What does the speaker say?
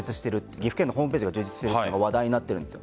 岐阜県のホームページが充実してると話題になっている。